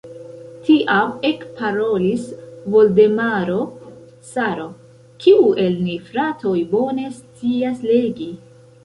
Tiam ekparolis Voldemaro caro: "Kiu el ni, fratoj, bone scias legi?"